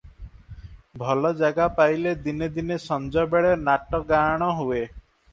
ଭଲ ଜାଗା ପାଇଲେ ଦିନେ ଦିନେ ସଞବେଳେ ନାଟ ଗାଆଣ ହୁଏ ।